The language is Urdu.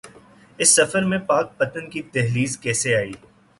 اس سفر میں پاک پتن کی دہلیز کیسے آئی؟